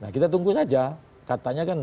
kita tunggu saja katanya kan